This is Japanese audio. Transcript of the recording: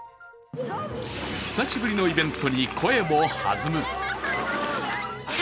久しぶりのイベントに声も弾む。